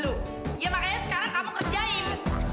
bukannya sekarang kamu kerjain